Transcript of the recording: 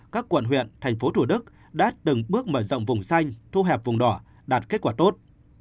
các quận huyện thành phố thủ đức đã từng bước mở rộng vùng xanh thu hẹp vùng đỏ đạt kết quả tốt